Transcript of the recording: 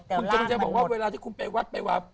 แต่ว่าล่างแอะล่างแอะ